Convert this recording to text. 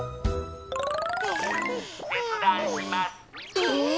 え。